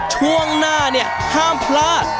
ช่วงหน้าเนี่ยห้ามพลาด